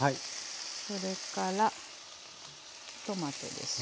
それからトマトでしょ。